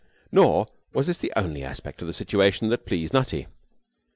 Nor was this the only aspect of the situation that pleased Nutty.